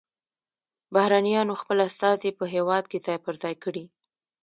بهرنیانو خپل استازي په هیواد کې ځای پر ځای کړي